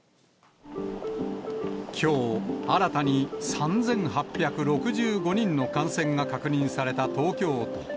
きょう、新たに３８６５人の感染が確認された東京都。